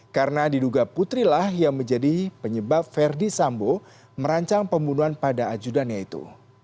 karena diduga putrilah yang menjadi penyebab ferdi sambo merancang pembunuhan pada ajudannya itu